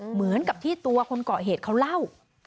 เหมือนกับที่ตัวคนก่อเหตุเขาเล่า